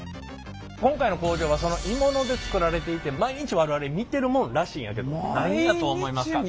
今回の工場はその鋳物で作られていて毎日我々見てるもんらしいんやけど何やと思いますか。